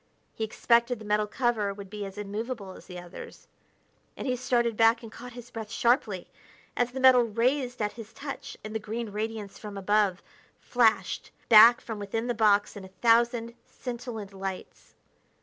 He expected the metal cover would be as immovable as the others, and he started back and caught his breath sharply as the metal raised at his touch and the green radiance from above flashed back from within the box in a thousand scintillant lights.